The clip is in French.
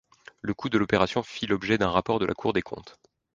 Le coût de l'opération fit l'objet d'un rapport de la Cour des comptes.